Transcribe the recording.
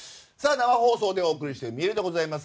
生放送でお送りしております